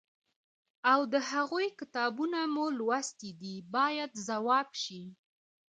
او د هغوی کتابونه مو لوستي دي باید ځواب شي.